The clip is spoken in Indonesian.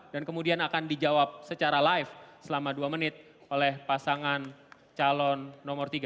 dan kemudian akan dijawab secara live selama dua menit oleh pasangan calon nomor tiga